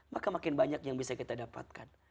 maka makin banyak yang bisa kita dapatkan